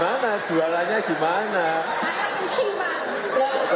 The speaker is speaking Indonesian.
alhamdulillah banyak tuh lho pak